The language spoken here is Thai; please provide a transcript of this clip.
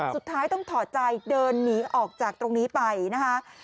สุดท้ายต้องถอดใจเดินหนีออกจากตรงนี้ไปนะคะ